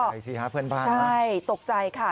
สิฮะเพื่อนบ้านใช่ตกใจค่ะ